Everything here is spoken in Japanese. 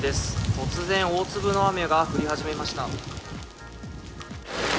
突然大粒の雨が降り始めました。